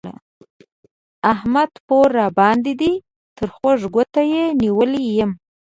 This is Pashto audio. احمد پور راباندې دی؛ تر خوږ ګوته يې نيولی يم